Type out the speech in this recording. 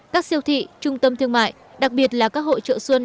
các siêu thị trung tâm thương mại đặc biệt là các hội trợ xuân